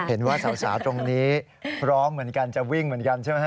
เห็นว่าสาวตรงนี้พร้อมเหมือนกันจะวิ่งเหมือนกันใช่ไหมฮ